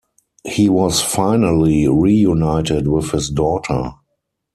He was finally reunited with his daughter.